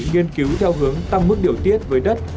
nghiên cứu theo hướng tăng mức điều tiết với đất